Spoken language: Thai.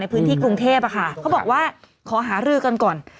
พื้นที่กรุงเทพเขาบอกว่าขอหารือกันก่อน